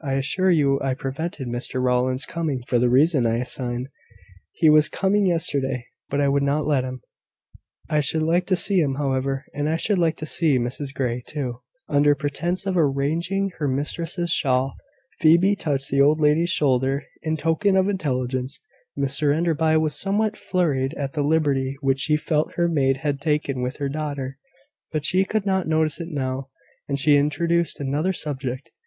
I assure you I prevented Mr Rowland's coming for the reason I assign. He was coming yesterday, but I would not let him." "I should like to see him, however. And I should like to see Mrs Grey too." Under pretence of arranging her mistress's shawl, Phoebe touched the old lady's shoulder, in token of intelligence. Mrs Enderby was somewhat flurried at the liberty which she felt her maid had taken with her daughter; but she could not notice it now; and she introduced another subject.